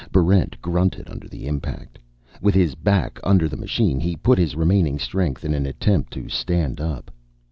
Barrent grunted under the impact. With his back under the machine, he put his remaining strength in an attempt to stand up.